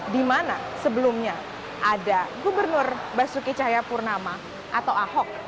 di mana sebelumnya ada gubernur basuki cahayapurnama atau ahok